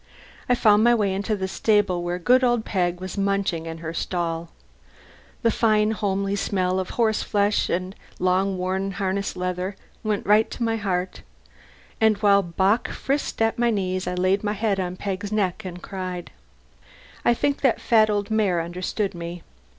I found my way into the stable, where good old Peg was munching in her stall. The fine, homely smell of horseflesh and long worn harness leather went right to my heart, and while Bock frisked at my knees I laid my head on Peg's neck and cried. I think that fat old mare understood me.